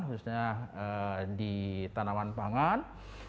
khususnya di tanaman pangan